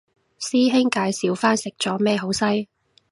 師兄介紹返食咗咩好西